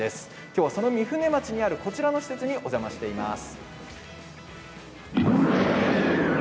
今日は御船町にあるこちらの施設にお邪魔しています。